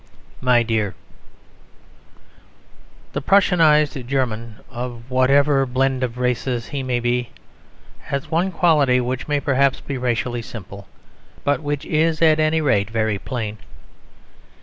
My Dear The Prussianised German, of whatever blend of races he may be, has one quality which may perhaps be racially simple; but which is, at any rate, very plain.